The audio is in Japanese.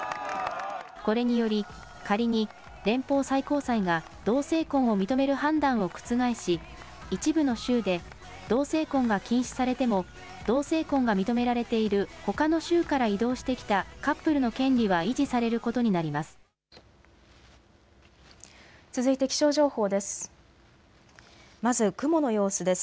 これにより仮に連邦最高裁が同性婚を認める判断を覆し一部の州で同性婚が禁止されても同性婚が認められているほかの州から移動してきたカップルの権利は維持されることになります。